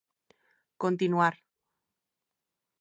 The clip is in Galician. Continuar.